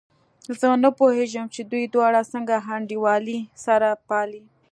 زه نه پوهېږم چې دوی دواړه څنګه انډيوالي سره پالي.